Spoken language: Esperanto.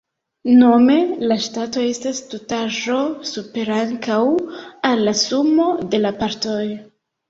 Nome, la Ŝtato estas tutaĵo supera ankaŭ al la sumo de la partoj.